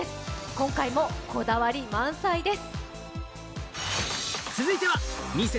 今回もこだわり満載です。